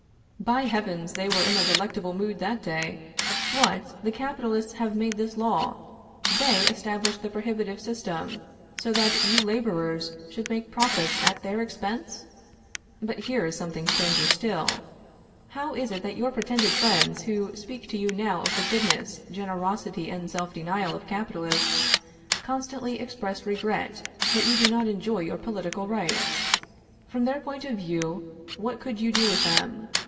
By heavens, they were in a delectable mood that day. What! the capitalists made this law; they established the prohibitive system, so that you laborers should make profits at their expense! But here is something stranger still. How is it that your pretended friends who speak to you now of the goodness, generosity and self denial of capitalists, constantly express regret that you do not enjoy your political rights? From their point of view, what could you do with them?